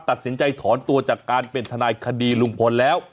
ตัดสินใจถอนตัวจากการเป็นทนายคดีลุงพลแล้ว